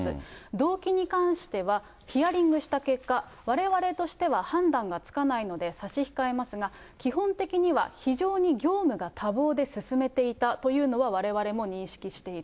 動機に関しては、ヒアリングした結果、われわれとしては判断がつかないので、差し控えますが、基本的には非常に業務が多忙で進めていたというのはわれわれも認識している。